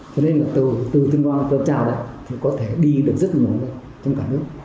cho nên là từ tân trào đây có thể đi được rất nhiều nước trong cả nước